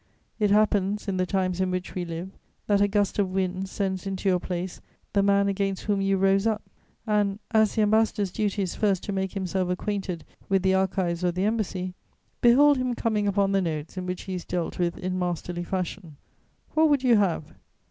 It happens, in the times in which we live, that a gust of wind sends into your place the man against whom you rose up; and, as the ambassador's duty is first to make himself acquainted with the archives of the embassy, behold him coming upon the notes in which he is dealt with in masterly fashion. What would you have?